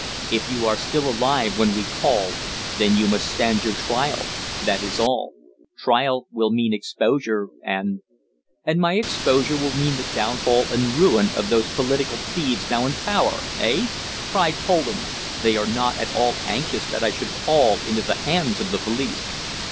If you are still alive when we call, then you must stand your trial that is all. Trial will mean exposure, and " "And my exposure will mean the downfall and ruin of those political thieves now in power eh?" cried Poland. "They are not at all anxious that I should fall into the hands of the police."